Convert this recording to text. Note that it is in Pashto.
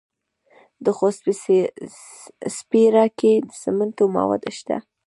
د خوست په سپیره کې د سمنټو مواد شته.